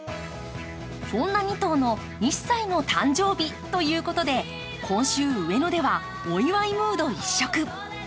そんな２頭の１歳の誕生日ということで、今週上野では、お祝いムード一色。